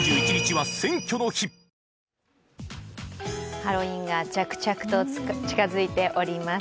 ハロウィーンが着々と近づいております。